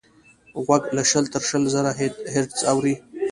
غوږ له شل تر شل زره هیرټز اوري.